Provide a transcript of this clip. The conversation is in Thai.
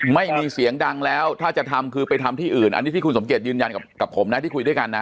ไม่มีเสียงดังแล้วถ้าจะทำคือไปทำที่อื่นอันนี้ที่คุณสมเกียจยืนยันกับผมนะที่คุยด้วยกันนะ